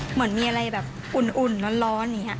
เหมือนมีอะไรแบบอุ่นร้อนอย่างนี้